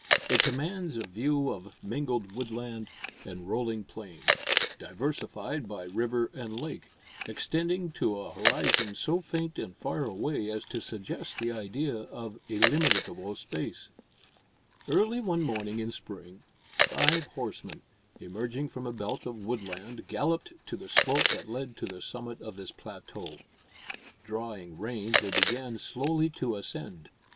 It commands a view of mingled woodland and rolling plain, diversified by river and lake, extending to a horizon so faint and far away as to suggest the idea of illimitable space. Early one morning in spring, five horsemen, emerging from a belt of woodland, galloped to the slope that led to the summit of this plateau. Drawing rein, they began slowly to ascend.